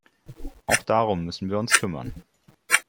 Auch darum müssen wir uns kümmern.